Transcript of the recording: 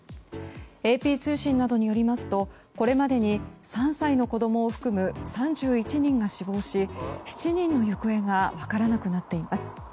ＡＰ通信などによりますとこれまでに３歳の子供を含む３１人が死亡し７人の行方が分からなくなっています。